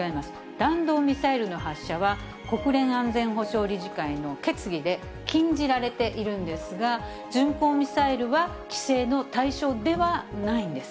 弾道ミサイルの発射は、国連安全保障理事会の決議で禁じられているんですが、巡航ミサイルは規制の対象ではないんです。